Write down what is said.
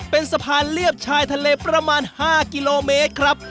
เป็นสะพานเลียบชายทะเลประมาณ๕กิโลเมตรครับ